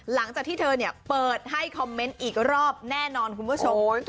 หลังจากที่เธอเปิดให้คอมเมนต์อีกรอบแน่นอนคุณผู้ชม